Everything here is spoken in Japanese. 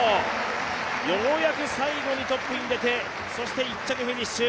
ようやく最後にトップに出てそして、１着フィニッシュ。